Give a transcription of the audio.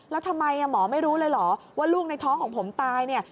แล้วทำไมหมอไม่รู้เลยเหรอว่าลูกในท้องของผมตายเนี่ย